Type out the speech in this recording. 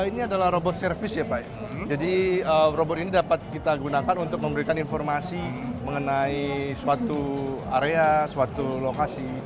ini adalah robot servis ya pak jadi robot ini dapat kita gunakan untuk memberikan informasi mengenai suatu area suatu lokasi